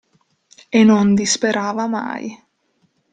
E non disperava mai.